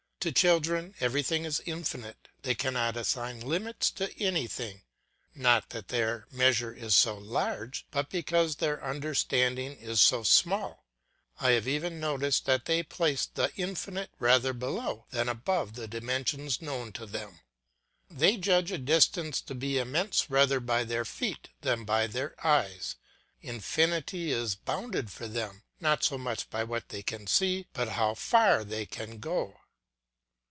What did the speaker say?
To children everything is infinite, they cannot assign limits to anything; not that their measure is so large, but because their understanding is so small. I have even noticed that they place the infinite rather below than above the dimensions known to them. They judge a distance to be immense rather by their feet than by their eyes; infinity is bounded for them, not so much by what they can see, but how far they can go.